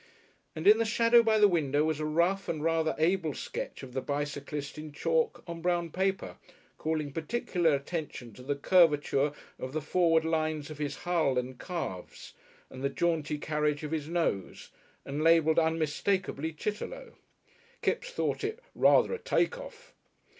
And in the shadow by the window was a rough and rather able sketch of the bicyclist in chalk on brown paper, calling particular attention to the curvature of the forward lines of his hull and calves and the jaunty carriage of his nose, and labelled unmistakably "Chitterlow." Kipps thought it "rather a take off."